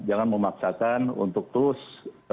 jangan memaksakan untuk terus